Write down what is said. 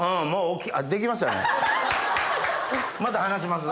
また話します